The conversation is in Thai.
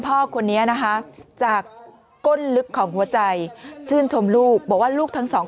พ่อคนนี้นะคะจากก้นลึกของหัวใจชื่นชมลูกบอกว่าลูกทั้งสอง